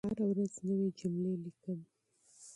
زه هره ورځ نوي جملې لیکم.